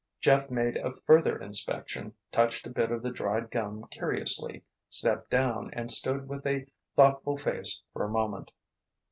Jeff made a further inspection, touched a bit of the dried gum curiously, stepped down and stood with a thoughtful face for a moment.